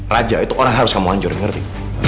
raja itu orang yang harus kamu hancur ngerti